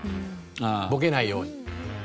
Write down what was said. ボケないように。